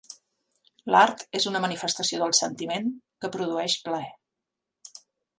L'art és una manifestació del sentiment, que produeix plaer.